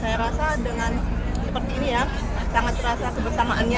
saya rasa dengan seperti ini ya sangat terasa kebersamaannya